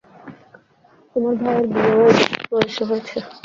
তোমার ভাইয়ের বিয়েও এই বয়সে হয়েছে।